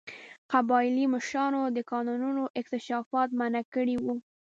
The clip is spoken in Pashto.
قبایلي مشرانو د کانونو اکتشاف منع کړی و.